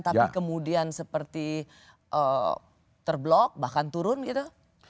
tapi kemudian seperti terblok bahkan turun gitu